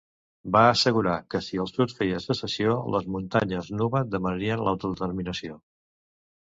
Va assegurar que si el sud feia secessió, les muntanyes Nuba demanarien l'autodeterminació.